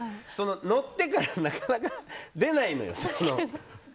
乗ってからなかなか出ないのよ。